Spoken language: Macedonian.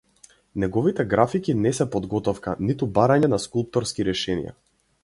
Неговите графики не се подготовка, ниту барање на скулпторски решенија.